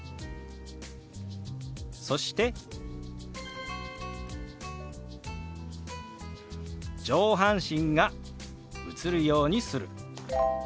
そして「上半身が映るようにする」。